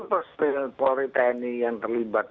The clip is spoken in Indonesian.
perpuluhan tni yang terlibat